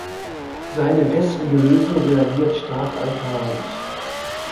Seine wässrige Lösung reagiert stark alkalisch.